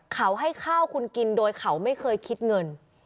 เขาให้ข้าวคุณกินโดยเขาไม่เคยคิดเงิน